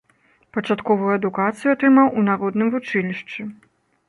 Пачатковую адукацыю атрымаў у народным вучылішчы.